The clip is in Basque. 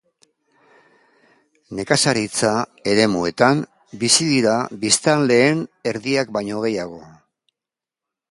Nekazaritza-eremuetan bizi dira biztanleen erdiak baino gehiago.